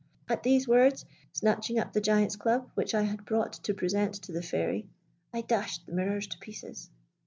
At these words, snatching up the giant's club, which I had brought to present to the Fairy, I dashed the mirrors to pieces.